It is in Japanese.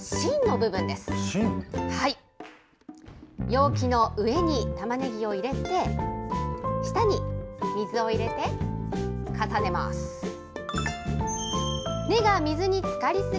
容器の上にたまねぎを入れて、下に水を入れて重ねます。